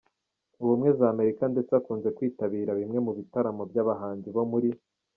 ubumwe za Amerika ndetse akunze kwitabira bimwe mu bitaramo by’abahanzi bo muri